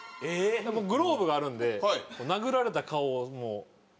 グローブがあるんで殴られた顔をもう先描こうかなと。